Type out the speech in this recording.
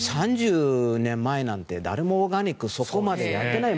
３０年前なんて誰もオーガニックそこまでやっていない。